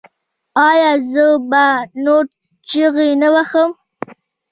ایا زه به نور نه چیغې وهم؟